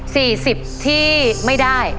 สิบที่ไม่ได้